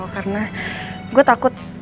karena gue takut